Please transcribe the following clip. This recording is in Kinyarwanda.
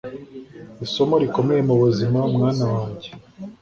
Isomo rikomeye mu buzima, mwana wanjye,